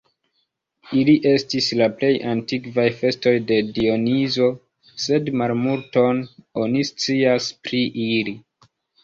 Ili estis la plej antikvaj festoj de Dionizo, sed malmulton oni scias pri ili.